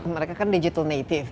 mereka kan digital native